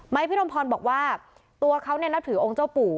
พี่รมพรบอกว่าตัวเขาเนี่ยนับถือองค์เจ้าปู่